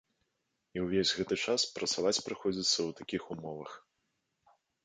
І ўвесь гэты час працаваць прыходзіцца ў такіх умовах.